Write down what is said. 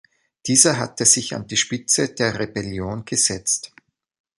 Dieser hatte sich an die Spitze der Rebellion gesetzt.